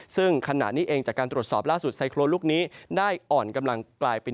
ซึ่งขณะนี้เองจากการตรวจสอบล่าสุดไซโครนลูกนี้ได้อ่อนกำลังกลายเป็น